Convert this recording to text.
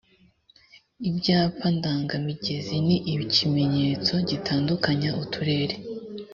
ibyapa ndanga migezi ni ikimenyetso gitandukanya uturere